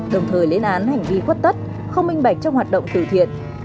đồng thời lên án hành vi khuất tất không minh bạch trong hoạt động từ thiện